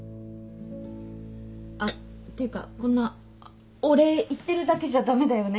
あっていうかこんなお礼言ってるだけじゃ駄目だよね。